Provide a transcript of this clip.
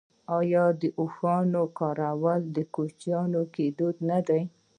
آیا د اوښانو کارول په کوچیانو کې دود نه دی؟